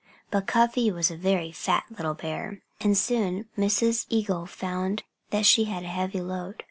But Cuffy was a very fat little bear. And soon Mrs. Eagle found that she had a heavy load.